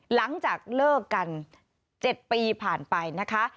หลังจากเลิกกัน๗ปีผ่านไปนะคะ